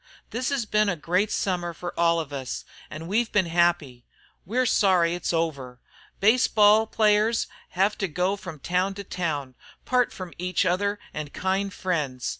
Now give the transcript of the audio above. This hes been a great Summer fer us all, an' we've been happy. We're sorry it's over. Baseball players hev to go from town to town an' part from each other an' kind friends.